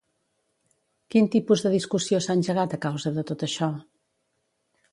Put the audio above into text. Quin tipus de discussió s'ha engegat a causa de tot això?